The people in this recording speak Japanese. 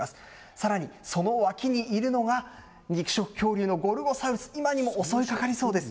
さらにその脇にいるのが、肉食恐竜のゴルゴサウルス、今にも襲いかかりそうです。